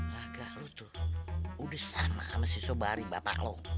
raga lo tuh udah sama sama si sobari bapak lo